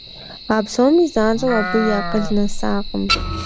А псоми занщӀэу абы и акъыл нэсакъым.